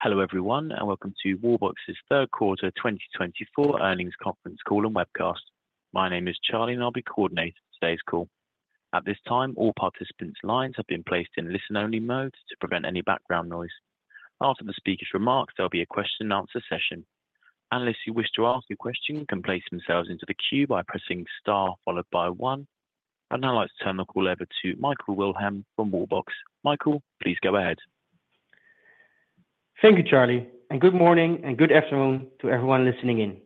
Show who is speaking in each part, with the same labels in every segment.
Speaker 1: Hello everyone, and welcome to Wallbox's Third Quarter 2024 Earnings Conference Call and Webcast. My name is Charlie, and I'll be coordinating today's call. At this time, all participants' lines have been placed in listen-only mode to prevent any background noise. After the speakers' remarks, there'll be a question-and-answer session. Analysts who wish to ask a question can place themselves into the queue by pressing star followed by one. I'd now like to turn the call over to Michael Wilhelm from Wallbox. Michael, please go ahead.
Speaker 2: Thank you, Charlie, and good morning and good afternoon to everyone listening in.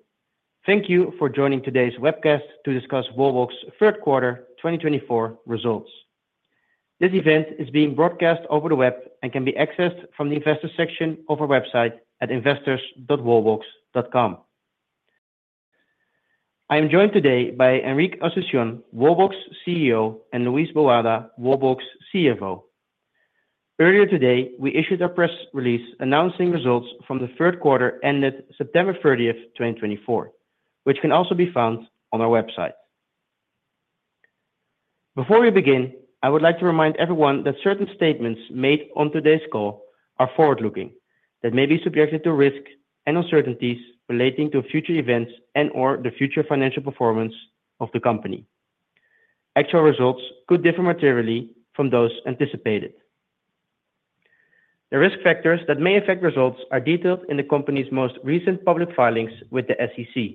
Speaker 2: Thank you for joining today's webcast to discuss Wallbox's third quarter 2024 results. This event is being broadcast over the web and can be accessed from the investor section of our website at investors.wallbox.com. I am joined today by Enric Asunción, Wallbox CEO, and Luis Boada, Wallbox CFO. Earlier today, we issued a press release announcing results from the third quarter ended September 30th, 2024, which can also be found on our website. Before we begin, I would like to remind everyone that certain statements made on today's call are forward-looking, that may be subjected to risk and uncertainties relating to future events and/or the future financial performance of the company. Actual results could differ materially from those anticipated. The risk factors that may affect results are detailed in the company's most recent public filings with the SEC,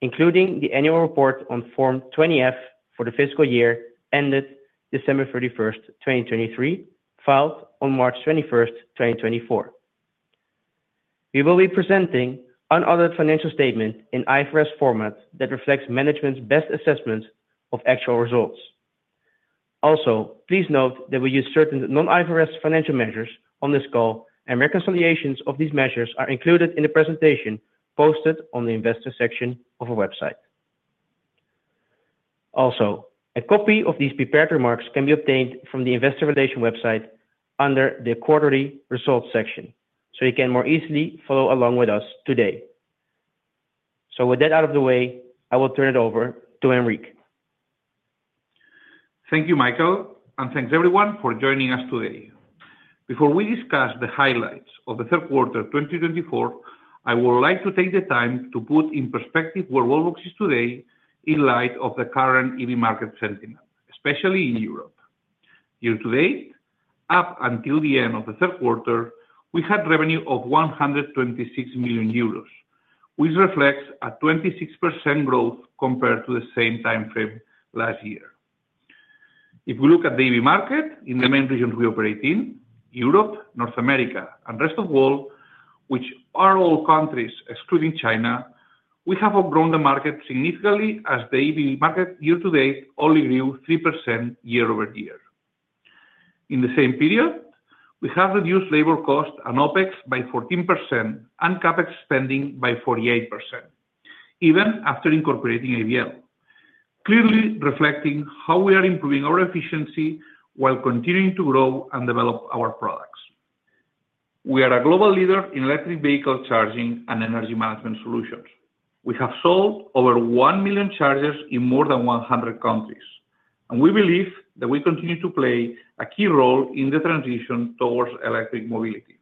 Speaker 2: including the annual report on Form 20-F for the fiscal year ended December 31st, 2023, filed on March 21st, 2024. We will be presenting unaltered financial statements in IFRS format that reflects management's best assessment of actual results. Also, please note that we use certain non-IFRS financial measures on this call, and reconciliations of these measures are included in the presentation posted on the investor section of our website. Also, a copy of these prepared remarks can be obtained from the investor relations website under the quarterly results section, so you can more easily follow along with us today. With that out of the way, I will turn it over to Enric.
Speaker 3: Thank you, Michael, and thanks everyone for joining us today. Before we discuss the highlights of the third quarter 2024, I would like to take the time to put in perspective where Wallbox is today in light of the current EV market sentiment, especially in Europe. Year to date, up until the end of the third quarter, we had revenue of 126 million euros, which reflects a 26% growth compared to the same timeframe last year. If we look at the EV market in the main regions we operate in, Europe, North America, and the rest of the world, which are all countries excluding China, we have outgrown the market significantly as the EV market year to date only grew 3% year-over-year. In the same period, we have reduced labor costs and OpEx by 14% and CapEx spending by 48%, even after incorporating ABL, clearly reflecting how we are improving our efficiency while continuing to grow and develop our products. We are a global leader in electric vehicle charging and energy management solutions. We have sold over 1 million chargers in more than 100 countries, and we believe that we continue to play a key role in the transition towards electric mobility.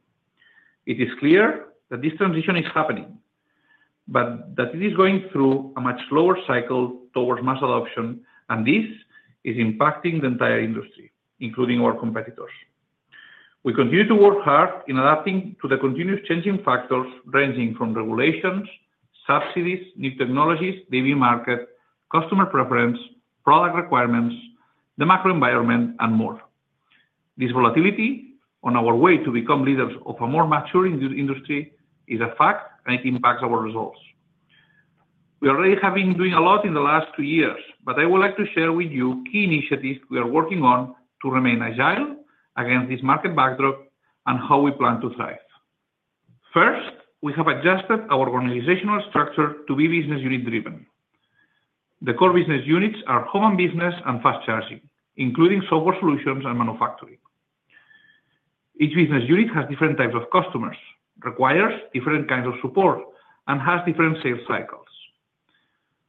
Speaker 3: It is clear that this transition is happening, but that it is going through a much slower cycle towards mass adoption, and this is impacting the entire industry, including our competitors. We continue to work hard in adapting to the continuous changing factors ranging from regulations, subsidies, new technologies, the EV market, customer preference, product requirements, the macro environment, and more. This volatility on our way to become leaders of a more mature industry is a fact, and it impacts our results. We already have been doing a lot in the last two years, but I would like to share with you key initiatives we are working on to remain agile against this market backdrop and how we plan to thrive. First, we have adjusted our organizational structure to be business unit-driven. The core business units are home and business and fast charging, including software solutions and manufacturing. Each business unit has different types of customers, requires different kinds of support, and has different sales cycles.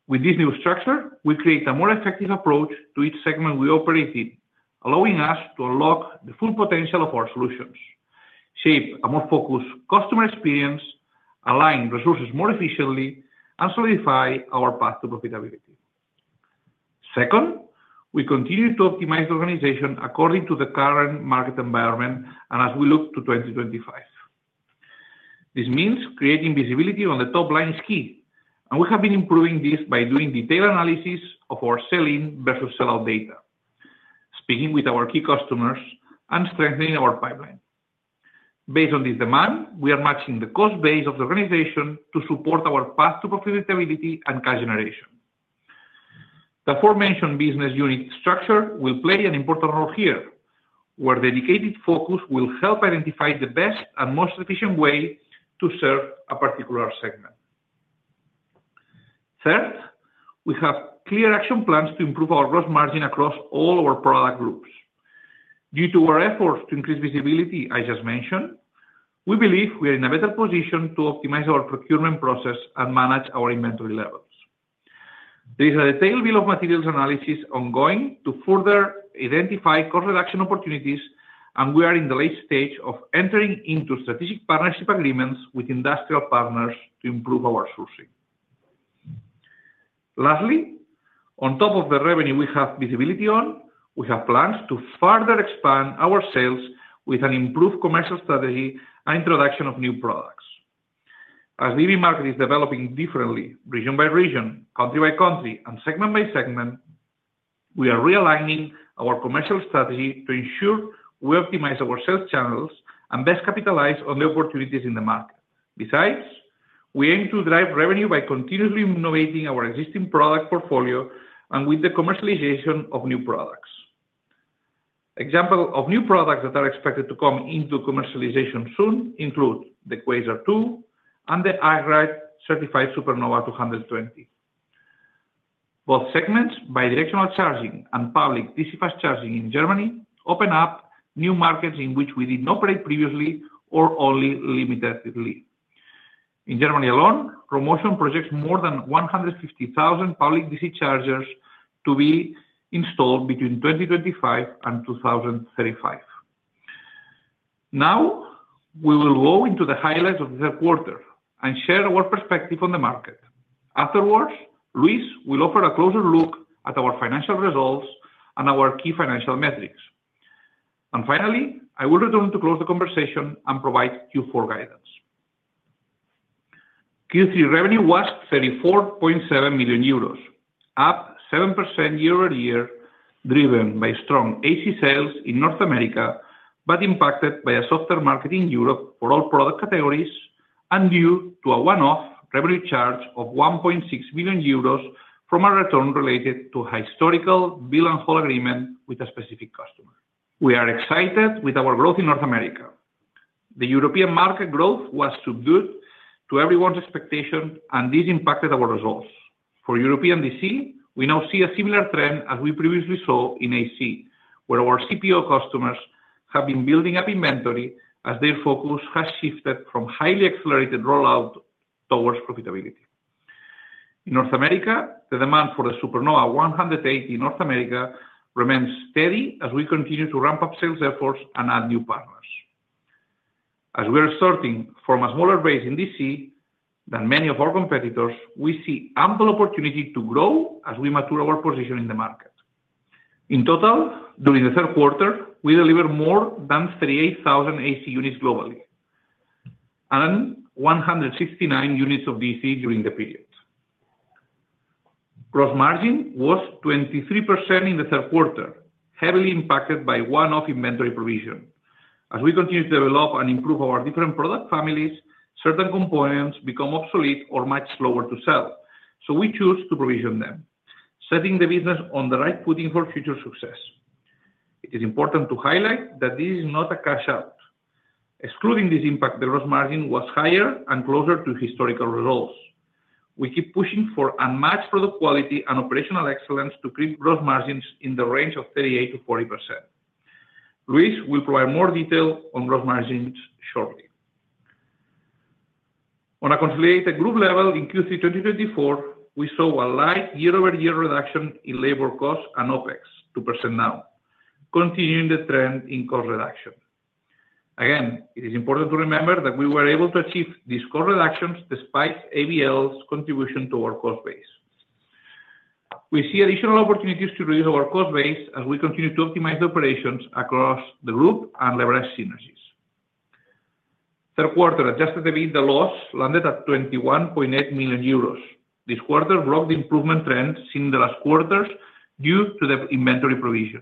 Speaker 3: With this new structure, we create a more effective approach to each segment we operate in, allowing us to unlock the full potential of our solutions, shape a more focused customer experience, align resources more efficiently, and solidify our path to profitability. Second, we continue to optimize the organization according to the current market environment and as we look to 2025. This means creating visibility on the top line is key, and we have been improving this by doing detailed analysis of our sell-in versus sell-out data, speaking with our key customers, and strengthening our pipeline. Based on this demand, we are matching the cost base of the organization to support our path to profitability and cash generation. The aforementioned business unit structure will play an important role here, where dedicated focus will help identify the best and most efficient way to serve a particular segment. Third, we have clear action plans to improve our gross margin across all our product groups. Due to our efforts to increase visibility I just mentioned, we believe we are in a better position to optimize our procurement process and manage our inventory levels. There is a detailed bill of materials analysis ongoing to further identify cost reduction opportunities, and we are in the late stage of entering into strategic partnership agreements with industrial partners to improve our sourcing. Lastly, on top of the revenue we have visibility on, we have plans to further expand our sales with an improved commercial strategy and introduction of new products. As the EV market is developing differently region by region, country by country, and segment by segment, we are realigning our commercial strategy to ensure we optimize our sales channels and best capitalize on the opportunities in the market. Besides, we aim to drive revenue by continuously innovating our existing product portfolio and with the commercialization of new products. Examples of new products that are expected to come into commercialization soon include the Quasar 2 and the Eichrecht certified Supernova 220. Both segments, bidirectional charging and public DC fast charging in Germany, open up new markets in which we didn't operate previously or only limitedly. In Germany alone, Rho Motion projects more than 150,000 public DC chargers to be installed between 2025 and 2035. Now, we will go into the highlights of the third quarter and share our perspective on the market. Afterwards, Luis will offer a closer look at our financial results and our key financial metrics, and finally, I will return to close the conversation and provide Q4 guidance. Q3 revenue was 34.7 million euros, up 7% year-over-year, driven by strong AC sales in North America but impacted by a softer market in Europe for all product categories and due to a one-off revenue charge of 1.6 million euros from a return related to a historical bill and hold agreement with a specific customer. We are excited with our growth in North America. The European market growth was subdued to everyone's expectation, and this impacted our results. For European DC, we now see a similar trend as we previously saw in AC, where our CPO customers have been building up inventory as their focus has shifted from highly accelerated rollout towards profitability. In North America, the demand for the Supernova 180 in North America remains steady as we continue to ramp up sales efforts and add new partners. As we are starting from a smaller base in DC than many of our competitors, we see ample opportunity to grow as we mature our position in the market. In total, during the third quarter, we delivered more than 38,000 AC units globally and 169 units of DC during the period. Gross margin was 23% in the third quarter, heavily impacted by one-off inventory provision. As we continue to develop and improve our different product families, certain components become obsolete or much slower to sell, so we choose to provision them, setting the business on the right footing for future success. It is important to highlight that this is not a cash-out. Excluding this impact, the gross margin was higher and closer to historical results. We keep pushing for unmatched product quality and operational excellence to create gross margins in the range of 38%-40%. Luis will provide more detail on gross margins shortly. On a consolidated group level, in Q3 2024, we saw a slight year-over-year reduction in labor costs and OpEx to 10% now, continuing the trend in cost reduction. Again, it is important to remember that we were able to achieve these cost reductions despite ABL's contribution to our cost base. We see additional opportunities to reduce our cost base as we continue to optimize the operations across the group and leverage synergies. Third quarter adjusted EBITDA, the loss landed at 21.8 million euros. This quarter broke the improvement trend seen in the last quarters due to the inventory provision.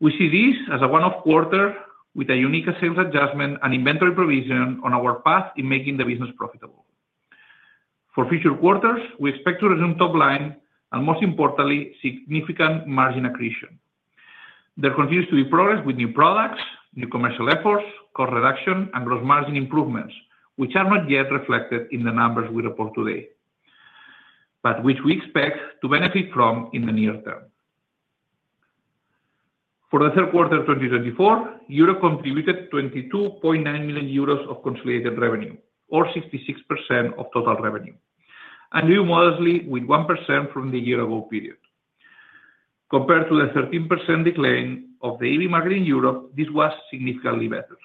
Speaker 3: We see this as a one-off quarter with a unique sales adjustment and inventory provision on our path in making the business profitable. For future quarters, we expect to resume top line and, most importantly, significant margin accretion. There continues to be progress with new products, new commercial efforts, cost reduction, and gross margin improvements, which are not yet reflected in the numbers we report today, but which we expect to benefit from in the near term. For the third quarter 2024, Europe contributed 22.9 million euros of consolidated revenue, or 66% of total revenue, and grew modestly with 1% from the year-ago period. Compared to the 13% decline of the EV market in Europe, this was significantly better.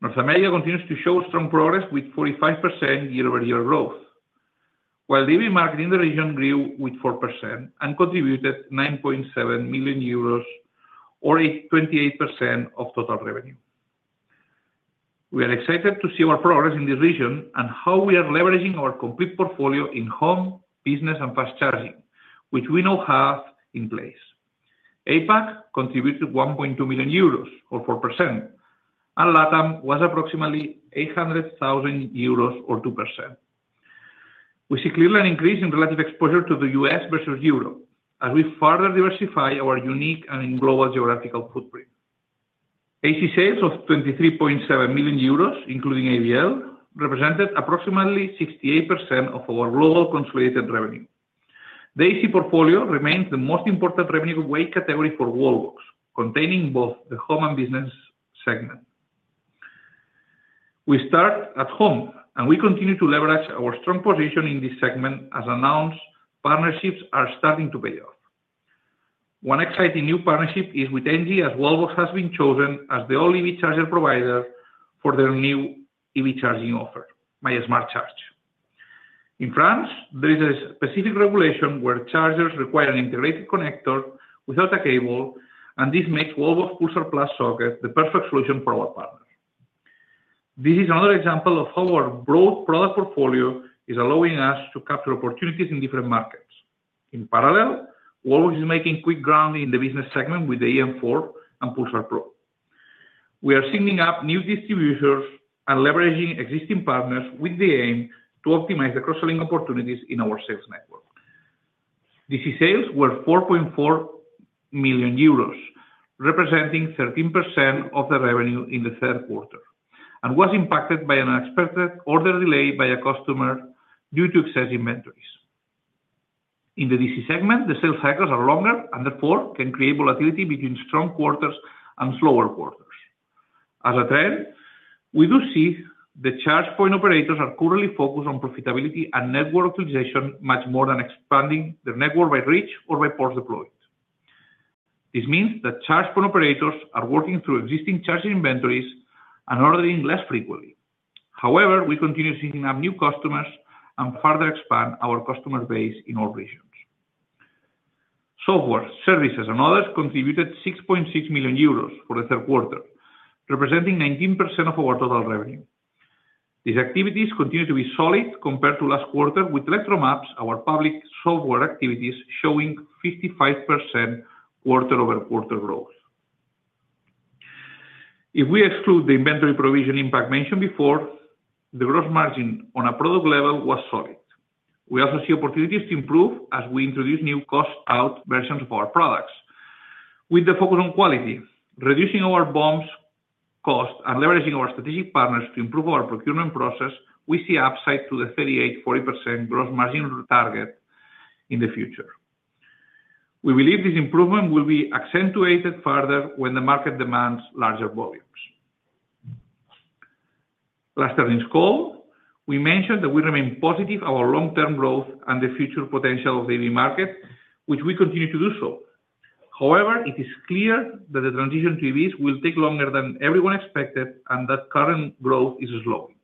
Speaker 3: North America continues to show strong progress with 45% year-over-year growth, while the EV market in the region grew with 4% and contributed 9.7 million euros, or 28% of total revenue. We are excited to see our progress in this region and how we are leveraging our complete portfolio in home, business, and fast charging, which we now have in place. APAC contributed 1.2 million euros, or 4%, and LATAM was approximately 800,000 euros, or 2%. We see clearly an increase in relative exposure to the U.S. versus Europe as we further diversify our unique and global geographical footprint. AC sales of 23.7 million euros, including ABL, represented approximately 68% of our global consolidated revenue. The AC portfolio remains the most important revenue-weighted category for Wallbox, containing both the home and business segment. We start at home, and we continue to leverage our strong position in this segment as announced partnerships are starting to pay off. One exciting new partnership is with Engie as Wallbox has been chosen as the all-EV charger provider for their new EV charging offer, via Smart Charge. In France, there is a specific regulation where chargers require an integrated connector without a cable, and this makes Wallbox Pulsar Plus sockets the perfect solution for our partners. This is another example of how our broad product portfolio is allowing us to capture opportunities in different markets. In parallel, Wallbox is making quick ground in the business segment with the eM4 and Pulsar Pro. We are signing up new distributors and leveraging existing partners with the aim to optimize the cross-selling opportunities in our sales network. DC sales were 4.4 million euros, representing 13% of the revenue in the third quarter, and was impacted by an unexpected order delay by a customer due to excess inventories. In the DC segment, the sales cycles are longer and therefore can create volatility between strong quarters and slower quarters. As a trend, we do see that charge point operators are currently focused on profitability and network optimization much more than expanding their network by reach or by ports deployed. This means that charge point operators are working through existing charging inventories and ordering less frequently. However, we continue to sign up new customers and further expand our customer base in all regions. Software, services, and others contributed 6.6 million euros for the third quarter, representing 19% of our total revenue. These activities continue to be solid compared to last quarter, with Electromaps, our public software activities, showing 55% quarter-over-quarter growth. If we exclude the inventory provision impact mentioned before, the gross margin on a product level was solid. We also see opportunities to improve as we introduce new cost-out versions of our products. With the focus on quality, reducing our BOMs cost, and leveraging our strategic partners to improve our procurement process, we see upside to the 38%-40% gross margin target in the future. We believe this improvement will be accentuated further when the market demands larger volumes. Last earnings call, we mentioned that we remain positive about long-term growth and the future potential of the EV market, which we continue to do so. However, it is clear that the transition to EVs will take longer than everyone expected and that current growth is slowing.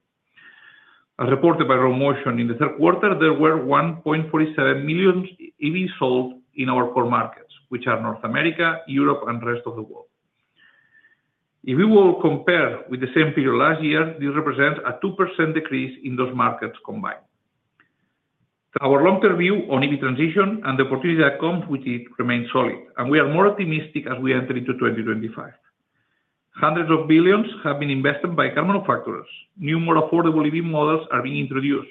Speaker 3: As reported by Rho Motion, in the third quarter, there were 1.47 million EVs sold in our core markets, which are North America, Europe, and the rest of the world. If we will compare with the same period last year, this represents a 2% decrease in those markets combined. Our long-term view on EV transition and the opportunity that comes with it remains solid, and we are more optimistic as we enter into 2025. Hundreds of billions have been invested by car manufacturers. New, more affordable EV models are being introduced.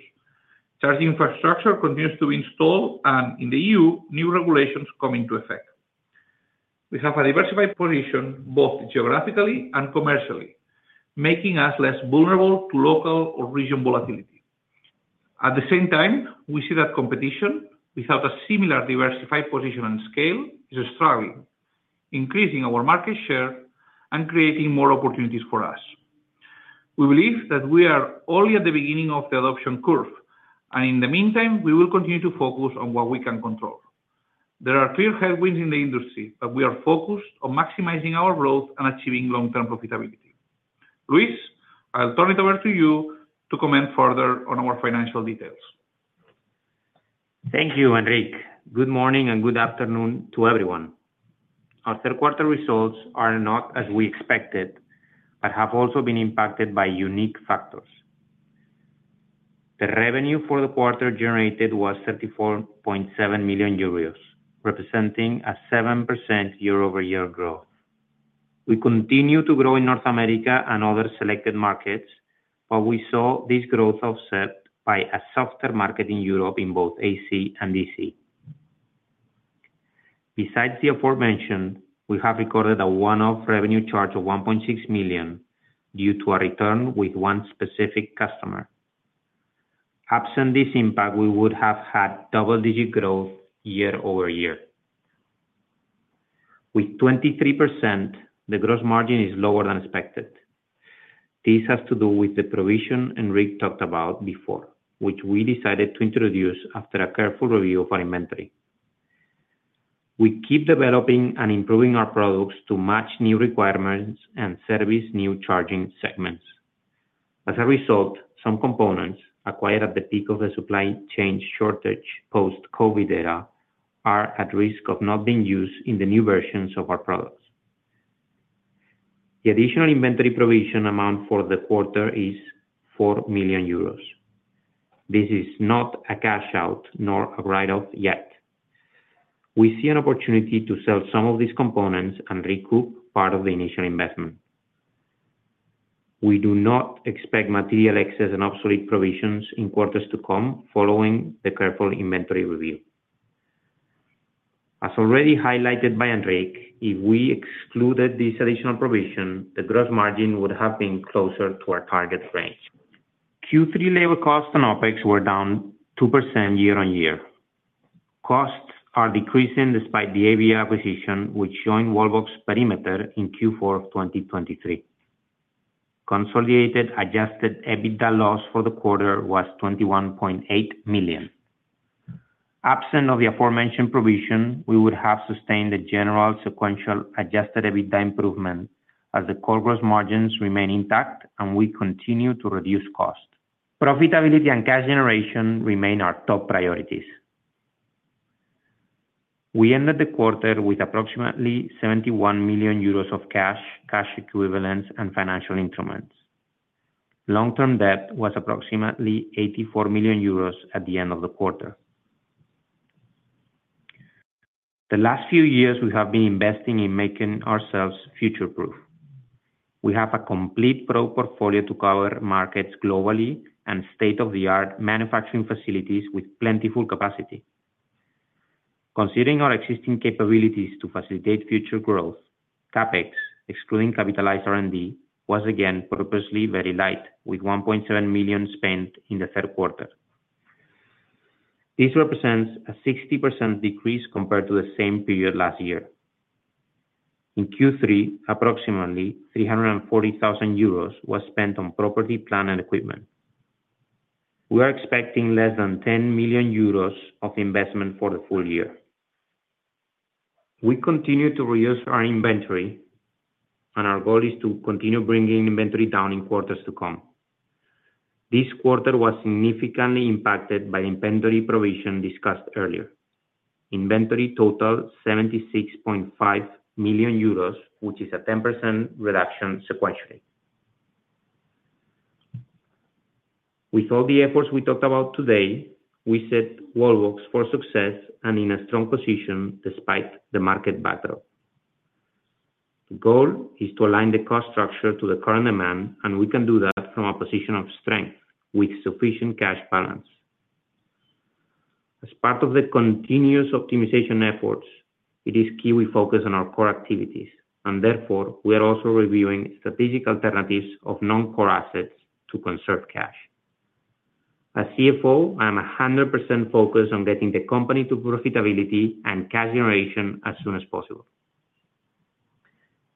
Speaker 3: Charging infrastructure continues to be installed, and in the EU, new regulations come into effect. We have a diversified position both geographically and commercially, making us less vulnerable to local or regional volatility. At the same time, we see that competition without a similar diversified position and scale is struggling, increasing our market share and creating more opportunities for us. We believe that we are only at the beginning of the adoption curve, and in the meantime, we will continue to focus on what we can control. There are clear headwinds in the industry, but we are focused on maximizing our growth and achieving long-term profitability. Luis, I'll turn it over to you to comment further on our financial details.
Speaker 4: Thank you, Enric. Good morning and good afternoon to everyone. Our third quarter results are not as we expected but have also been impacted by unique factors. The revenue for the quarter generated was 34.7 million euros, representing a 7% year-over-year growth. We continue to grow in North America and other selected markets, but we saw this growth offset by a softer market in Europe in both AC and DC. Besides the aforementioned, we have recorded a one-off revenue charge of 1.6 million due to a return with one specific customer. Absent this impact, we would have had double-digit growth year-over-year. With 23%, the gross margin is lower than expected. This has to do with the provision Enric talked about before, which we decided to introduce after a careful review of our inventory. We keep developing and improving our products to match new requirements and service new charging segments. As a result, some components acquired at the peak of the supply chain shortage post-COVID era are at risk of not being used in the new versions of our products. The additional inventory provision amount for the quarter is 4 million euros. This is not a cash-out nor a write-off yet. We see an opportunity to sell some of these components and recoup part of the initial investment. We do not expect material excess and obsolete provisions in quarters to come following the careful inventory review. As already highlighted by Enric, if we excluded this additional provision, the gross margin would have been closer to our target range. Q3 labor costs and OpEx were down 2% year-on-year. Costs are decreasing despite the ABL acquisition, which joined Wallbox perimeter in Q4 of 2023. Consolidated adjusted EBITDA loss for the quarter was 21.8 million. Absent of the aforementioned provision, we would have sustained a general sequential adjusted EBITDA improvement as the core gross margins remain intact and we continue to reduce cost. Profitability and cash generation remain our top priorities. We ended the quarter with approximately 71 million euros of cash, cash equivalents, and financial instruments. Long-term debt was approximately 84 million euros at the end of the quarter. The last few years, we have been investing in making ourselves future-proof. We have a complete product portfolio to cover markets globally and state-of-the-art manufacturing facilities with plentiful capacity. Considering our existing capabilities to facilitate future growth, CapEx, excluding capitalized R&D, was again purposely very light, with 1.7 million spent in the third quarter. This represents a 60% decrease compared to the same period last year. In Q3, approximately 340,000 euros was spent on property, plant, and equipment. We are expecting less than 10 million euros of investment for the full year. We continue to reuse our inventory, and our goal is to continue bringing inventory down in quarters to come. This quarter was significantly impacted by the inventory provision discussed earlier. Inventory totaled 76.5 million euros, which is a 10% reduction sequentially. With all the efforts we talked about today, we set Wallbox for success and in a strong position despite the market backdrop. The goal is to align the cost structure to the current demand, and we can do that from a position of strength with sufficient cash balance. As part of the continuous optimization efforts, it is key we focus on our core activities, and therefore, we are also reviewing strategic alternatives of non-core assets to conserve cash. As CFO, I am 100% focused on getting the company to profitability and cash generation as soon as possible.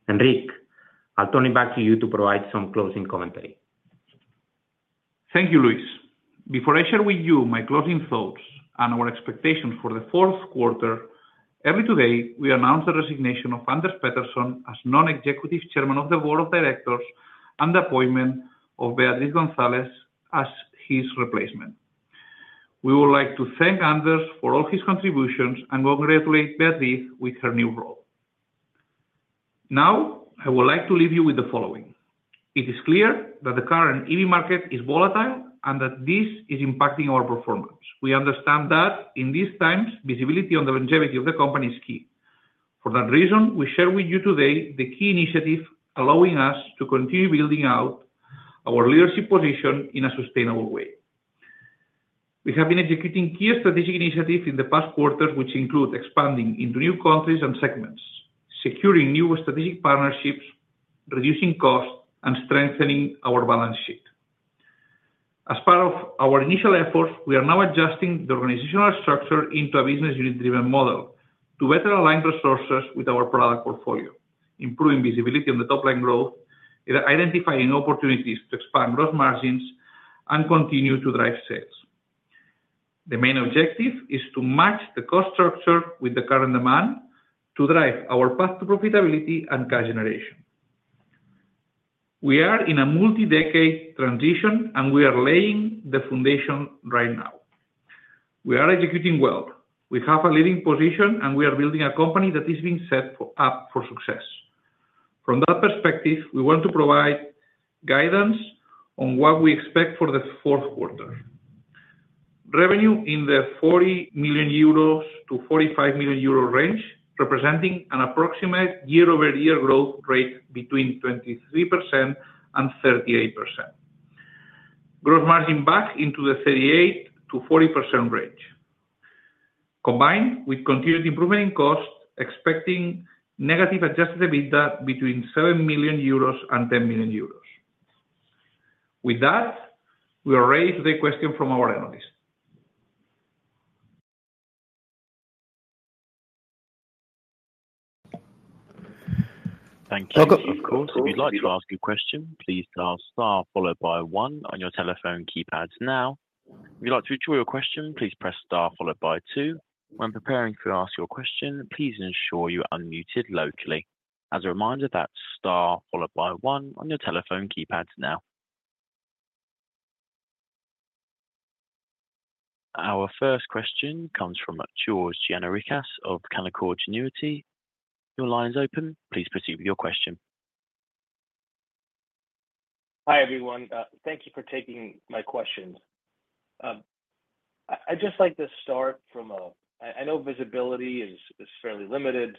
Speaker 4: Enric, I'll turn it back to you to provide some closing commentary.
Speaker 3: Thank you, Luis. Before I share with you my closing thoughts and our expectations for the fourth quarter, early today, we announced the resignation of Anders Pettersson as Non-Executive Chairman of the Board of Directors and the appointment of Beatriz González as his replacement. We would like to thank Anders for all his contributions and congratulate Beatriz with her new role. Now, I would like to leave you with the following. It is clear that the current EV market is volatile and that this is impacting our performance. We understand that in these times, visibility on the longevity of the company is key. For that reason, we share with you today the key initiative allowing us to continue building out our leadership position in a sustainable way. We have been executing key strategic initiatives in the past quarters, which include expanding into new countries and segments, securing new strategic partnerships, reducing costs, and strengthening our balance sheet. As part of our initial efforts, we are now adjusting the organizational structure into a business-unit-driven model to better align resources with our product portfolio, improving visibility on the top-line growth, identifying opportunities to expand gross margins, and continue to drive sales. The main objective is to match the cost structure with the current demand to drive our path to profitability and cash generation. We are in a multi-decade transition, and we are laying the foundation right now. We are executing well. We have a leading position, and we are building a company that is being set up for success. From that perspective, we want to provide guidance on what we expect for the fourth quarter. Revenue in the 40 million-45 million euros range, representing an approximate year-over-year growth rate between 23% and 38%. Gross margin back into the 38%-40% range. Combined with continued improvement in cost, expecting negative adjusted EBITDA between 7 million euros and 10 million euros. With that, we will raise the question from our analyst.
Speaker 1: Thank you. Of course, if you'd like to ask a question, please press star followed by one on your telephone keypad now. If you'd like to withdraw your question, please press star followed by two. When preparing to ask your question, please ensure you are unmuted locally. As a reminder, that's star followed by one on your telephone keypad now. Our first question comes from George Gianarikas of Canaccord Genuity. Your line is open. Please proceed with your question.
Speaker 5: Hi everyone. Thank you for taking my question. I'd just like to start from a—I know visibility is fairly limited,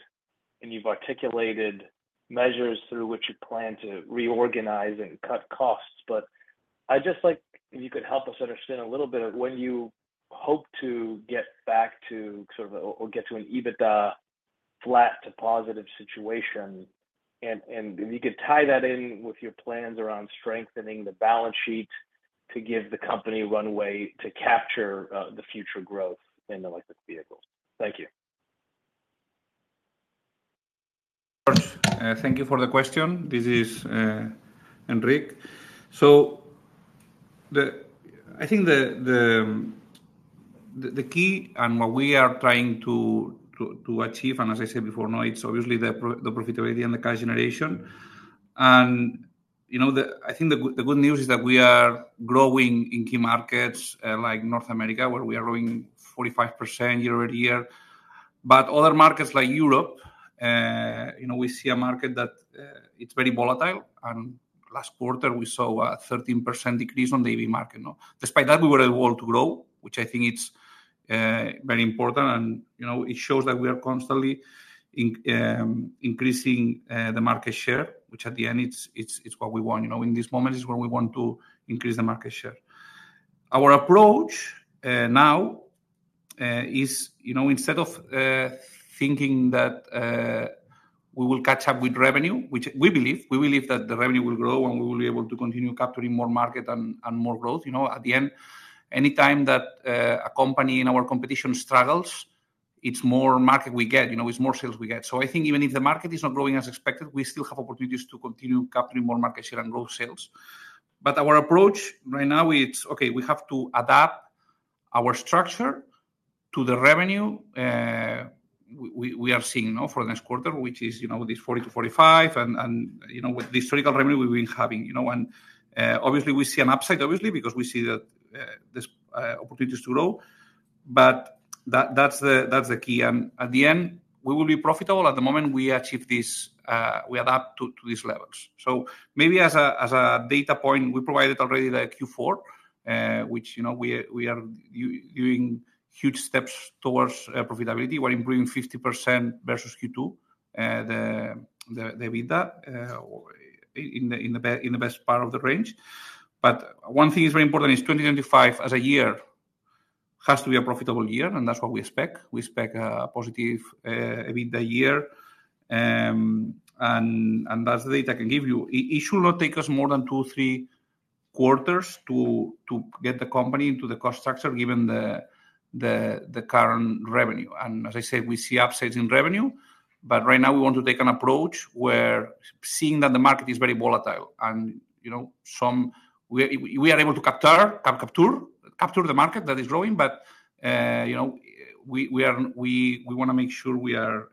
Speaker 5: and you've articulated measures through which you plan to reorganize and cut costs, but I'd just like if you could help us understand a little bit of when you hope to get back to sort of a—or get to an EBITDA flat to positive situation, and if you could tie that in with your plans around strengthening the balance sheet to give the company a runway to capture the future growth in electric vehicles. Thank you.
Speaker 3: Thank you for the question. This is Enric. So I think the key and what we are trying to achieve, and as I said before, it's obviously the profitability and the cash generation. And I think the good news is that we are growing in key markets like North America, where we are growing 45% year-over-year. But other markets like Europe, we see a market that it's very volatile, and last quarter, we saw a 13% decrease on the EV market. Despite that, we were able to grow, which I think is very important, and it shows that we are constantly increasing the market share, which at the end, it's what we want. In these moments, it's what we want to increase the market share. Our approach now is, instead of thinking that we will catch up with revenue, which we believe, we believe that the revenue will grow and we will be able to continue capturing more market and more growth. At the end, anytime that a company in our competition struggles, it's more market we get, it's more sales we get. So I think even if the market is not growing as expected, we still have opportunities to continue capturing more market share and grow sales. But our approach right now, it's okay, we have to adapt our structure to the revenue we are seeing for the next quarter, which is this 40-45, and with the historical revenue we've been having. And obviously, we see an upside, obviously, because we see that there's opportunities to grow, but that's the key. And at the end, we will be profitable. At the moment, we achieve this. We adapt to these levels. So maybe as a data point, we provided already the Q4, which we are doing huge steps towards profitability. We're improving 50% versus Q2, the EBITDA in the best part of the range. But one thing is very important: 2025 as a year has to be a profitable year, and that's what we expect. We expect a positive EBITDA year, and that's the data I can give you. It should not take us more than two, three quarters to get the company into the cost structure given the current revenue. And as I said, we see upsides in revenue, but right now, we want to take an approach where seeing that the market is very volatile and we are able to capture the market that is growing, but we want to make sure we are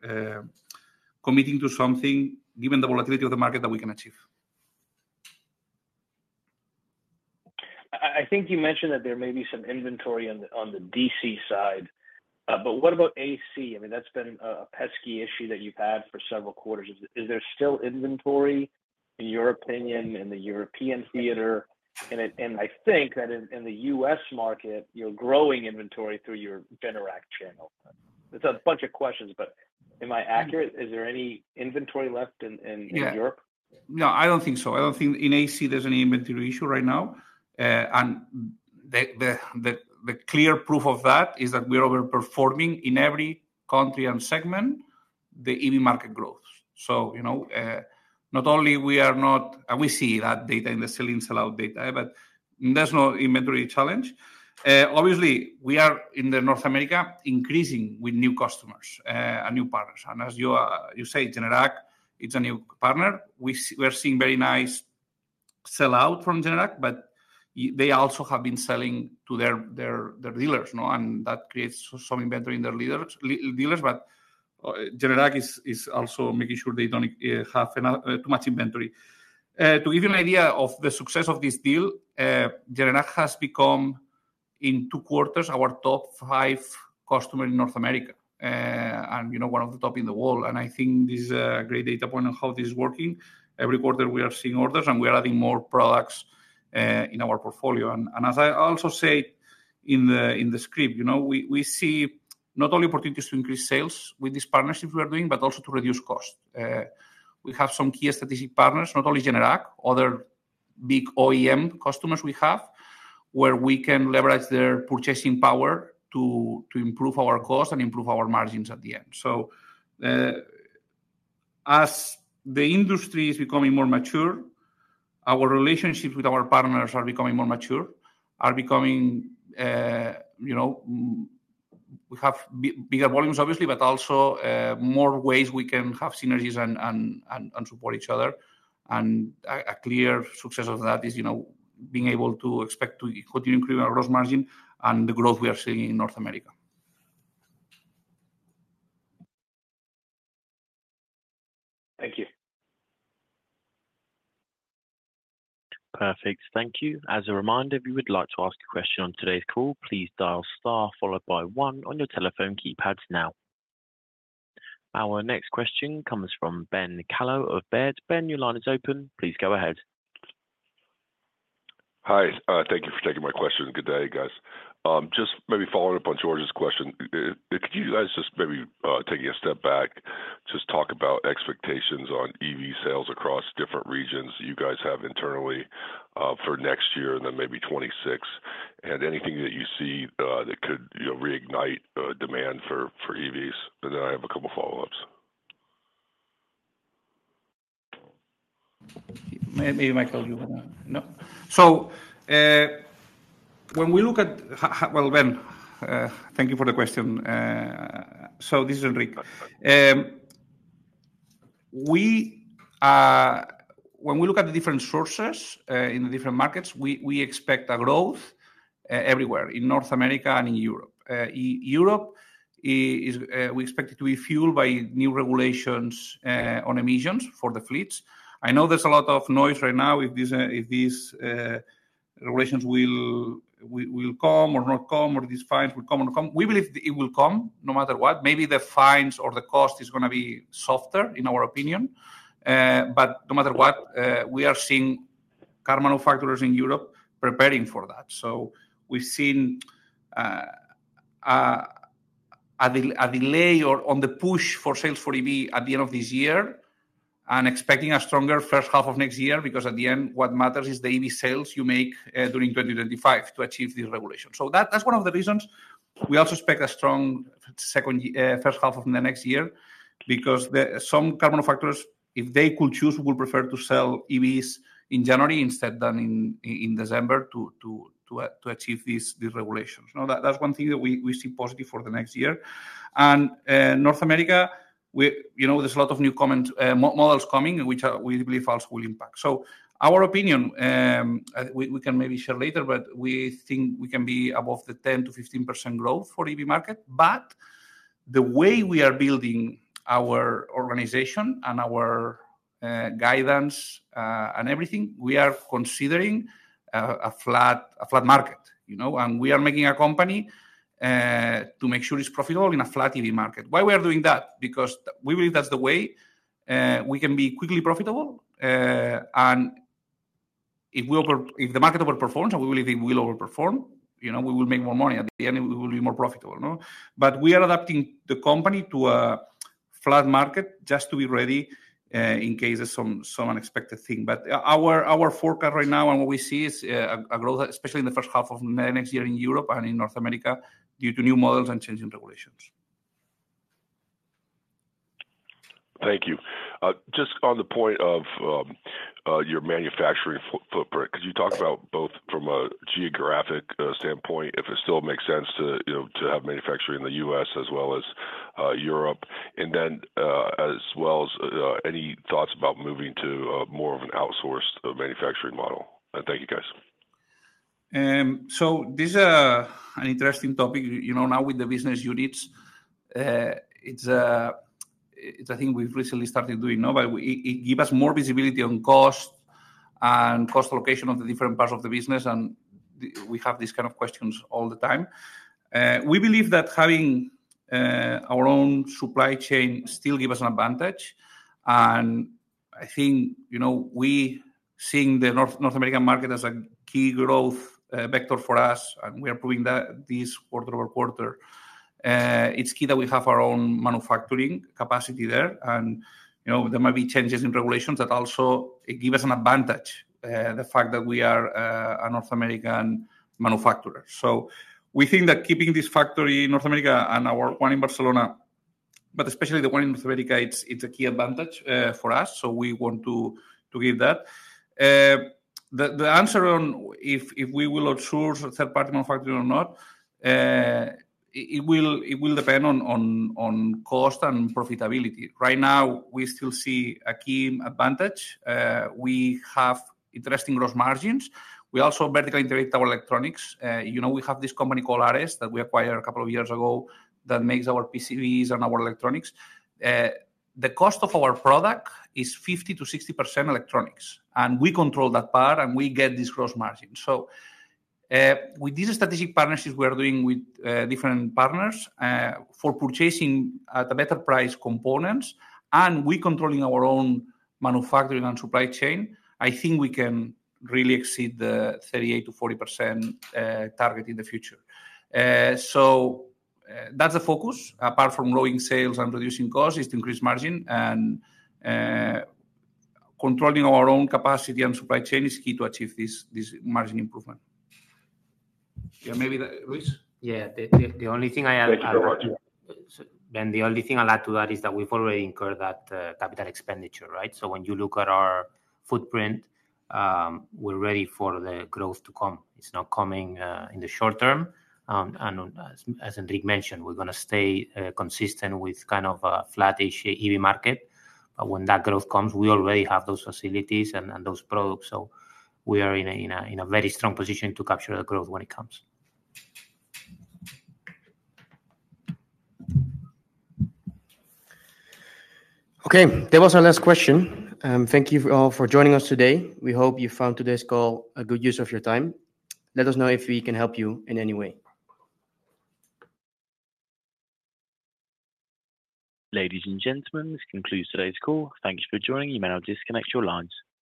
Speaker 3: committing to something given the volatility of the market that we can achieve.
Speaker 5: I think you mentioned that there may be some inventory on the DC side, but what about AC? I mean, that's been a pesky issue that you've had for several quarters. Is there still inventory, in your opinion, in the European theater? And I think that in the U.S. market, you're growing inventory through your Generac channel. It's a bunch of questions, but am I accurate? Is there any inventory left in Europe?
Speaker 3: No, I don't think so. I don't think in AC there's any inventory issue right now. And the clear proof of that is that we are overperforming in every country and segment, the EV market growth. So not only we are not, and we see that data in the sell-in sell-out data, but there's no inventory challenge. Obviously, we are in North America increasing with new customers and new partners. And as you say, Generac, it's a new partner. We are seeing very nice sell-out from Generac, but they also have been selling to their dealers, and that creates some inventory in their dealers, but Generac is also making sure they don't have too much inventory. To give you an idea of the success of this deal, Generac has become, in two quarters, our top five customers in North America and one of the top in the world. I think this is a great data point on how this is working. Every quarter, we are seeing orders, and we are adding more products in our portfolio. As I also said in the script, we see not only opportunities to increase sales with these partnerships we are doing, but also to reduce cost. We have some key strategic partners, not only Generac, but other big OEM customers we have where we can leverage their purchasing power to improve our cost and improve our margins at the end. So as the industry is becoming more mature, our relationships with our partners are becoming more mature, are becoming—we have bigger volumes, obviously, but also more ways we can have synergies and support each other. And a clear success of that is being able to expect to continue improving our gross margin and the growth we are seeing in North America.
Speaker 5: Thank you.
Speaker 1: Perfect. Thank you. As a reminder, if you would like to ask a question on today's call, please dial star followed by one on your telephone keypads now. Our next question comes from Ben Kallo of Baird. Ben, your line is open. Please go ahead.
Speaker 6: Hi. Thank you for taking my question. Good day, guys. Just maybe following up on George's question, could you guys just maybe take a step back, just talk about expectations on EV sales across different regions you guys have internally for next year and then maybe 2026, and anything that you see that could reignite demand for EVs? And then I have a couple of follow-ups.
Speaker 3: Maybe Michael will. So when we look at, well, Ben, thank you for the question. So this is Enric. When we look at the different sources in the different markets, we expect growth everywhere in North America and in Europe. Europe, we expect it to be fueled by new regulations on emissions for the fleets. I know there's a lot of noise right now if these regulations will come or not come, or these fines will come or not come. We believe it will come no matter what. Maybe the fines or the cost is going to be softer, in our opinion. But no matter what, we are seeing car manufacturers in Europe preparing for that. So we've seen a delay on the push for sales for EV at the end of this year and expecting a stronger first half of next year because at the end, what matters is the EV sales you make during 2025 to achieve these regulations. So that's one of the reasons we also expect a strong first half of the next year because some car manufacturers, if they could choose, would prefer to sell EVs in January instead than in December to achieve these regulations. That's one thing that we see positive for the next year. And North America, there's a lot of new models coming which we believe also will impact. So, our opinion, we can maybe share later, but we think we can be above the 10%-15% growth for EV market. But the way we are building our organization and our guidance and everything, we are considering a flat market. And we are making a company to make sure it's profitable in a flat EV market. Why we are doing that? Because we believe that's the way we can be quickly profitable. And if the market overperforms, and we believe it will overperform, we will make more money. At the end, we will be more profitable. But we are adapting the company to a flat market just to be ready in case of some unexpected thing. But our forecast right now and what we see is a growth, especially in the first half of next year in Europe and in North America due to new models and changing regulations.
Speaker 6: Thank you. Just on the point of your manufacturing footprint, could you talk about both from a geographic standpoint if it still makes sense to have manufacturing in the U.S. as well as Europe, and then as well as any thoughts about moving to more of an outsourced manufacturing model? And thank you, guys.
Speaker 3: So this is an interesting topic. Now with the business units, it's a thing we've recently started doing, but it gives us more visibility on cost and cost allocation of the different parts of the business, and we have these kind of questions all the time. We believe that having our own supply chain still gives us an advantage. I think we see the North American market as a key growth vector for us, and we are proving that this quarter over quarter. It's key that we have our own manufacturing capacity there, and there might be changes in regulations that also give us an advantage, the fact that we are a North American manufacturer. We think that keeping this factory in North America and our one in Barcelona, but especially the one in North America, it's a key advantage for us, so we want to give that. The answer on if we will outsource third-party manufacturing or not, it will depend on cost and profitability. Right now, we still see a key advantage. We have interesting gross margins. We also vertically integrate our electronics. We have this company called Ares that we acquired a couple of years ago that makes our PCBs and our electronics. The cost of our product is 50%-60% electronics, and we control that part, and we get these gross margins, so with these strategic partnerships we are doing with different partners for purchasing at a better price components and we controlling our own manufacturing and supply chain, I think we can really exceed the 38%-40% target in the future. That's the focus. Apart from growing sales and reducing costs, it's to increase margin, and controlling our own capacity and supply chain is key to achieve this margin improvement. Yeah, maybe Luis.
Speaker 4: Yeah, Ben, the only thing I'll add to that is that we've already incurred that capital expenditure, right, so when you look at our footprint, we're ready for the growth to come. It's not coming in the short term. As Enric mentioned, we're going to stay consistent with kind of a flat-ish EV market. When that growth comes, we already have those facilities and those products. We are in a very strong position to capture the growth when it comes. Okay, that was our last question. Thank you all for joining us today. We hope you found today's call a good use of your time. Let us know if we can help you in any way.
Speaker 1: Ladies and gentlemen, this concludes today's call. Thank you for joining. You may now disconnect your lines.